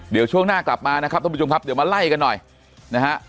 เดี๋ยวช่วงหน้ากลับมานะครับท่านผู้ชมครับเดี๋ยวมาไล่กันหน่อยนะฮะ